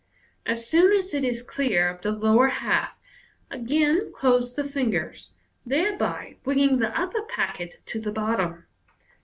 As soon as it is clear of the lower half, again close the fingers, thereby bringing the upper packet to the bottom.